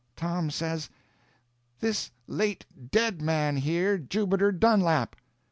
Tom says: "This late dead man here—Jubiter Dunlap."